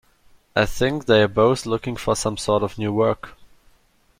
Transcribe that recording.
I think they're both looking for some sort of new work.